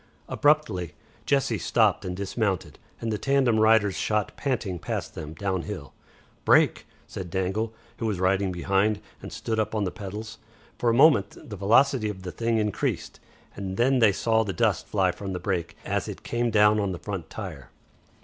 Abruptly Jessie stopped and dismounted, and the tandem riders shot panting past them downhill. "Brake," said Dangle, who was riding behind, and stood up on the pedals. For a moment the velocity of the thing increased, and then they saw the dust fly from the brake, as it came down on the front tire.